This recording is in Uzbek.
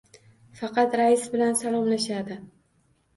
Faqat rais bilan salomlashadi.